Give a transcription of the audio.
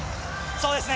そうですね